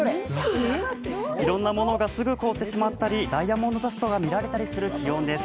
いろんなものがすぐ凍ってしまったり、ダイヤモンドダストが見られたりする気温です。